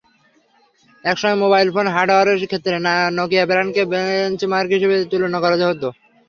একসময় mobile phone হার্ডওয়্যারের ক্ষেত্রে নকিয়া ব্র্যান্ডকে বেঞ্চমার্ক হিসেবে তুলনা করা হতো।